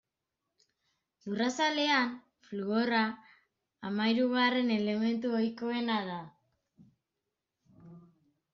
Lurrazalean, fluorra hamahirugarren elementu ohikoena da.